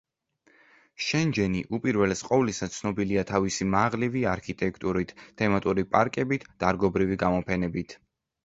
შენჯენი, უპირველეს ყოვლისა, ცნობილია თავისი მაღლივი არქიტექტურით, თემატური პარკებით, დარგობრივი გამოფენებით.